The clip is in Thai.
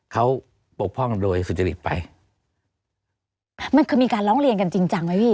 เขาปกพร่องโดยสุจริตไปมันคือมีการร้องเรียนกันจริงจังไหมพี่